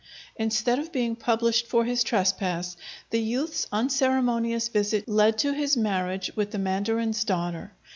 Instead of being punished for his trespass, the youth's unceremonious visit led to his marriage with the mandarin's daughter.